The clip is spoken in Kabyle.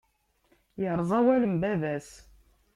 Yerẓa awal n baba-s.